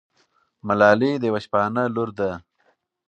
ملالۍ د یوه شپانه لور ده.